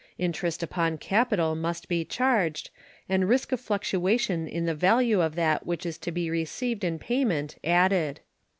Interest upon capital must be charged, and risk of fluctuation in the value of that which is to be received in payment added.